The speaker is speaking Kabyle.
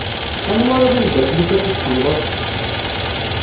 Anwa i d-amdakel-ik akk i tḥemmleḍ?